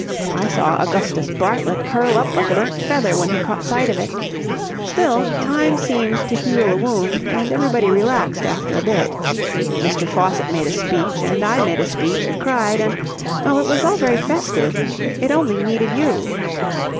I saw Augustus Bartlett curl up like a burnt feather when he caught sight of it. Still, time seemed to heal the wound, and everybody relaxed after a bit. Mr. Faucitt made a speech and I made a speech and cried, and...oh, it was all very festive. It only needed you."